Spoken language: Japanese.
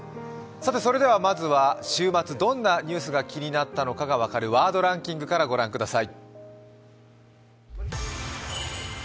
まずは週末どんなニュースが気になったのかが分かる「ワードランキング」から御覧ください。